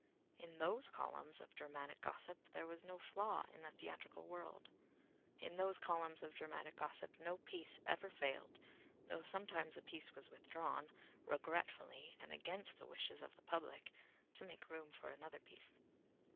In those columns of dramatic gossip there was no flaw in the theatrical world. In those columns of dramatic gossip no piece ever failed, though sometimes a piece was withdrawn, regretfully and against the wishes of the public, to make room for another piece.